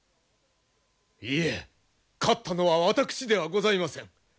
いえ勝ったのは私ではございません。